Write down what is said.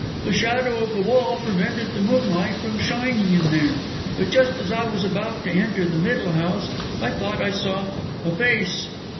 The shadow of the wall prevented the moonlight from shining in there. But just as I was about to enter the middle house, I thought I saw a face."